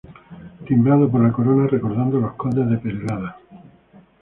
Timbrado por la corona, recordando los condes de Perelada.